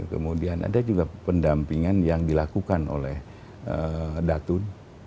kemudian ada juga pendampingan yang dilakukan oleh datun